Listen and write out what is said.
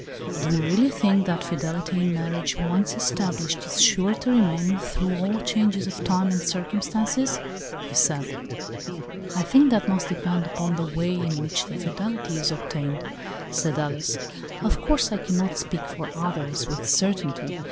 " Do you really think that fidelity in marriage, once established, is sure to remain through all changes of time and circumstance ?" he said. " I think that must depend upon the way in which the fidelity is obtained," said Alice. " Of course, I cannot speak for others, with certainty.